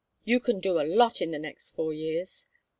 You can do a lot in the next four years.